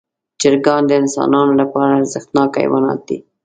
چرګان د انسانانو لپاره ارزښتناک حیوانات دي.